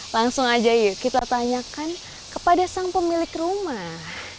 langsung aja yuk kita tanyakan kepada sang pemilik rumah